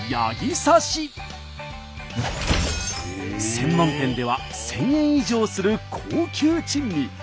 専門店では１，０００円以上する高級珍味。